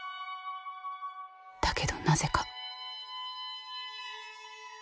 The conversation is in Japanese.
だけどなぜか。